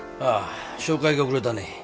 ・紹介が遅れたね